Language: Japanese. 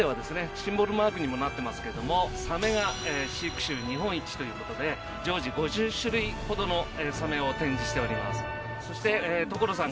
シンボルマークにもなってますけどもサメが飼育種日本一という事で常時５０種類ほどのサメを展示しております。